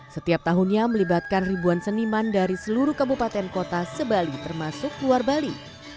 setiap tahunnya melibatkan ribuan seniman dari seluruh kabupaten kota sebali termasuk luar bali